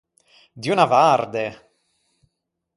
Dio n’avvarde!